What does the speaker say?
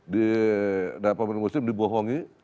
di pemilih muslim dibohongi